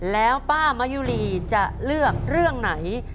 แล้วป้ามะยุรีจะเลือกเรื่องไหน